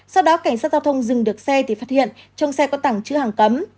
sau đó cảnh sát giao thông dừng được xe thì phát hiện trong xe có tẳng chứa hàng cấm